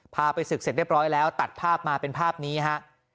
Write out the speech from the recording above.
พาไปศึกเสร็จเรียบร้อยแล้วตัดภาพมาเป็นภาพนี้ฮะ